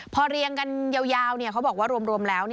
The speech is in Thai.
พอเรียงกันยาวเขาบอกว่ารวมแล้ว